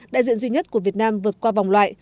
đại diện duy nhất của việt nam vượt qua vòng loại